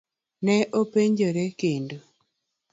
Ne openjore kendo.